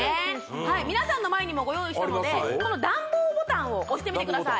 はい皆さんの前にもご用意したのでこの暖房ボタンを押してみてください